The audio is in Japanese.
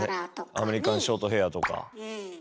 アメリカンショートヘアとか。